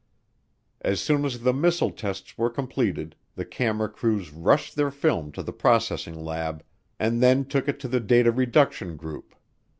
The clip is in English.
As soon as the missile tests were completed, the camera crews rushed their film to the processing lab and then took it to the Data Reduction Group.